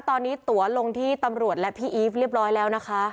ตอนนี้ตัวลงที่ตำรวจและพี่อีฟเรียบร้อยแล้วนะคะ